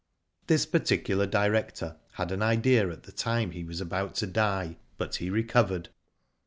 This particular director had an idea at the time he was about to die, but he recovered.